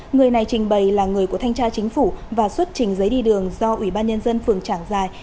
người này trình bày là người của thanh tra chính phủ và xuất trình giấy đi đường do ủy ban nhân dân phường trảng giải